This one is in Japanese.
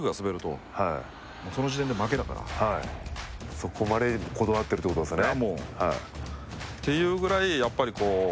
そこまでこだわってるってことですよね。